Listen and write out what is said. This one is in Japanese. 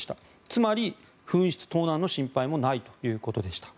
つまり紛失・盗難の心配もないということでした。